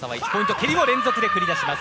蹴りも連続で繰り出します。